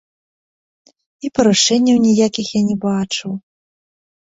І парушэнняў ніякіх я не бачыў.